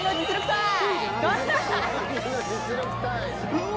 うわ。